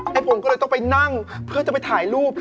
ให้ไปนั่งเพื่อจะไปถ่ายรูป